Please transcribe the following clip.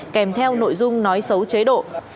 kèm theo nội dung nói xấu chế độ